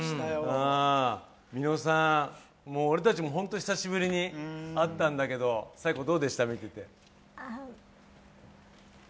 みのさん、俺たちも本当に久しぶりに会ったんだけど紗栄子どうでした、見てて。